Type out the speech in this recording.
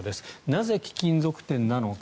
なぜ、貴金属店なのか。